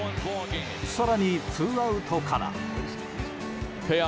更に、ツーアウトから。